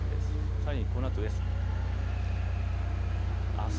さらにこのあとです。